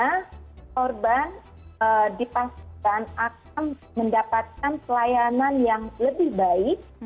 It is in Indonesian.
karena korban dipaksakan akan mendapatkan pelayanan yang lebih baik